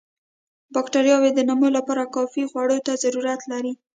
باکټریاوې د نمو لپاره کافي خوړو ته ضرورت لري.